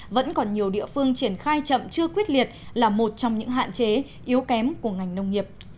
vẫn còn nhiều địa phương triển khai chậm chưa quyết liệt là một trong những hạn chế yếu kém của ngành nông nghiệp